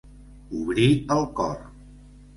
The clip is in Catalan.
Obrir el cor.